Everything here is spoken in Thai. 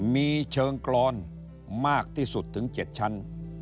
มีเชิงกรอนมากที่สุดถึง๗ชั้น